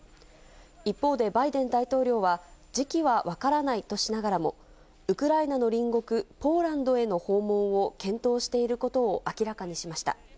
一方でバイデン大統領は、時期は分からないとしながらも、ウクライナの隣国、ポーランドへの訪問を検討していることを明らかにしました。